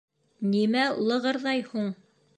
Нимә лығырҙай һуң?